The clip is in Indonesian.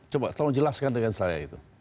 coba tolong jelaskan dengan saya itu